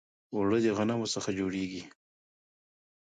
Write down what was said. اوړه د غنمو څخه جوړیږي